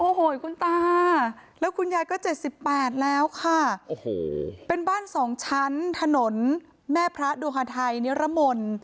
โอ้โหคุณตาแล้วคุณยายก็๗๘แล้วค่ะโอ้โหเป็นบ้านสองชั้นถนนแม่พระดุฮาไทยนิรมนต์